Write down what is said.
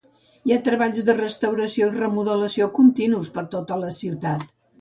Hi ha treballs de restauració i remodelació continus per tota la ciutat.